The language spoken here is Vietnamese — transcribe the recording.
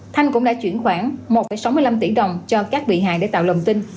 thanh cũng đã chuyển khoản một sáu mươi năm tỷ đồng cho các bị hại để tạo lầm tin